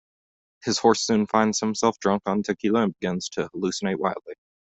His horse soon finds himself drunk on tequila and begins to hallucinate wildly.